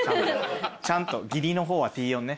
ちゃんと義理の方はＴ−４ね。